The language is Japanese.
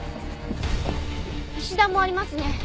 石段もありますね。